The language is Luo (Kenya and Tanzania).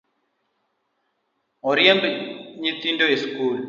Oriemb nyithindo e sikul